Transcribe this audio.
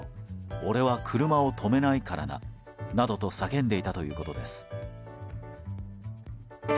俺は車を止めないからななどと叫んでいたということです。